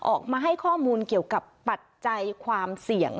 ออกมาให้ข้อมูลเกี่ยวกับปัจจัยความเสี่ยง